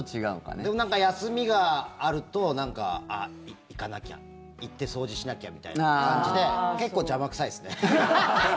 でも休みがあるとあ、行かなきゃ行って掃除しなきゃみたいな感じで結構邪魔くさいですね。